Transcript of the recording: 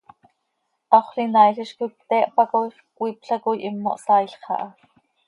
Haxöl inaail hizcoi pte hpacooix, cmiipla coi himo hsaailx aha.